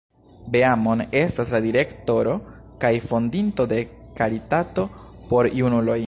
Beamon estas la direktoro kaj fondinto de karitato por junuloj.